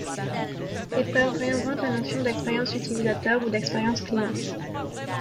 Pepper réinvente la notion d'expérience utilisateur ou d'expérience client.